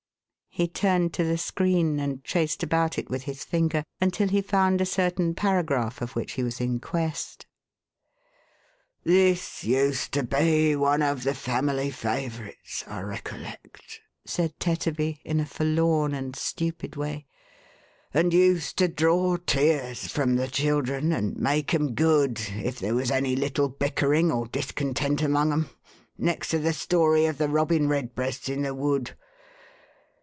" He turned to the screen, and traced about it with his finger, until he found a certain paragraph of which he was in quest. " This used to be one of the family favourites, I recollect," said Tetterby, in a forlorn and stupid way, "and used to draw tears from the children, and make 'em good, if there was any little bickering or discontent among 'em, next to the story of the robin redbreasts in the wood.